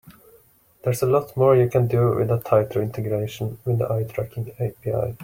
There's a lot more you can do with a tighter integration with the eye tracking API.